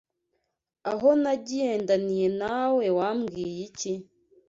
Aho nagendaniye nawe wambwiye iki